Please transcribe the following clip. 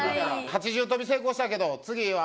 ８重跳び成功したけど次は？